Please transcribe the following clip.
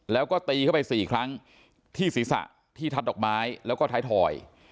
แล้วก็ตีเข้าไปสี่ครั้งที่ศีรษะที่ทัดดอกไม้แล้วก็ท้ายถอย